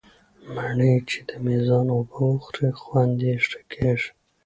مڼې چې د مېزان اوبه وخوري، خوند یې ښه کېږي.